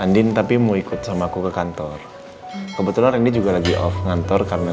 andin tapi mau ikut sama aku ke kantor kebetulan ini juga lagi off ngantor karena